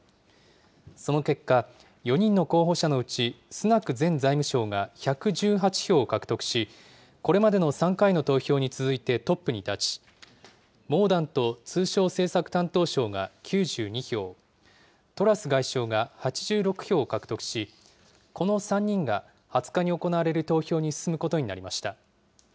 その結果、４人の候補者のうち、スナク前財務相が１１８票を獲得し、これまでの３回の投票に続いてトップに立ち、モーダント通商政策担当相が９２票、トラス外相が８６票を獲得し、この３人が２０日に行われる投票に進むことになりました。